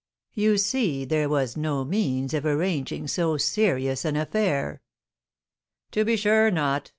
You see there was no means of arranging so serious an affair." "To be sure not.